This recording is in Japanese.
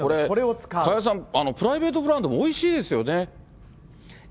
これ、加谷さん、プライベートブランドもおいしいですよね。